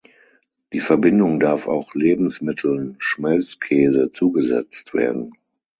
Die Verbindung darf auch Lebensmitteln (Schmelzkäse) zugesetzt werden.